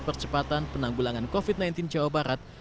percepatan penanggulangan covid sembilan belas jawa barat